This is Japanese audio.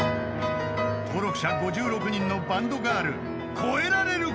［登録者５６人のバンドガール。超えられるか？］